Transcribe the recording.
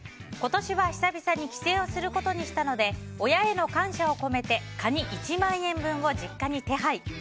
今年は久々に帰省をすることにしたので親への感謝を込めてカニ１万円分を実家に手配。